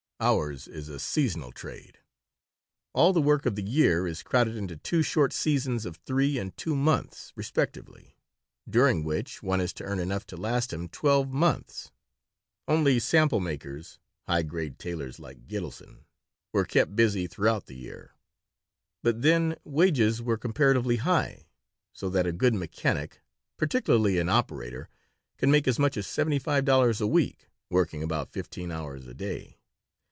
Ours is a seasonal trade. All the work of the year is crowded into two short seasons of three and two months, respectively, during which one is to earn enough to last him twelve months (only sample makers, high grade tailors like Gitelson, were kept busy throughout the year). But then wages were comparatively high, so that a good mechanic, particularly an operator, could make as much as seventy five dollars a week, working about fifteen hours a day.